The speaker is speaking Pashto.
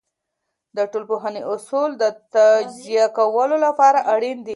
د ټولنپوهنې اصول د تجزیه کولو لپاره اړین دي.